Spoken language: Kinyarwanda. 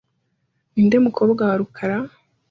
Ninde mukobwa wa rukara?